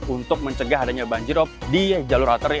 untuk mencegah adanya banjirop di jalur alternatif